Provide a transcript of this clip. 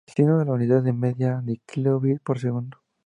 Siendo la unidad de medida el kilobit por segundo